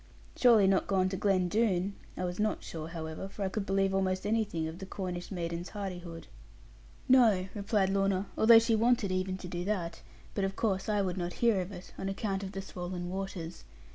'Surely not gone to Glen Doone?' I was not sure, however: for I could believe almost anything of the Cornish maiden's hardihood. 'No,' replied Lorna, 'although she wanted even to do that. But of course I would not hear of it, on account of the swollen waters.